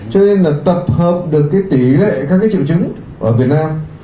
cho nên là tập hợp được cái tỷ lệ các cái triệu chứng ở việt nam